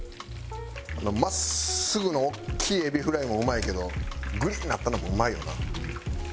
真っすぐの大きいエビフライもうまいけどグリンなったのもうまいよな。